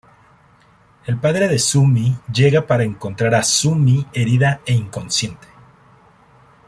El padre de Su-mi llega para encontrar a Su-mi herida e inconsciente.